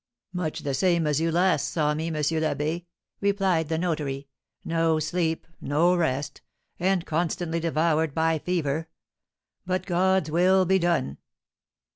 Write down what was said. "Much the same as you last saw me, M. l'Abbé," replied the notary. "No sleep, no rest, and constantly devoured by fever; but God's will be done!"